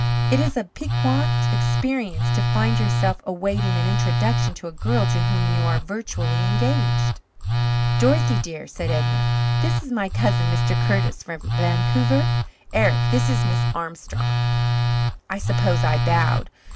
It is a piquant experience to find yourself awaiting an introduction to a girl to whom you are virtually engaged. "Dorothy dear," said Edna, "this is my cousin, Mr. Curtis, from Vancouver. Eric, this is Miss Armstrong." I suppose I bowed.